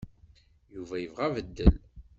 Yuba yebɣa abeddel.